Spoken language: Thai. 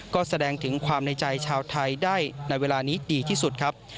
ก็แสดงถึงความในใจชาวไทยได้ในเวลานี้ดีที่สุดครับ